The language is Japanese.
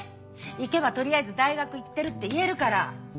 行けば取りあえず大学行ってるって言えるから。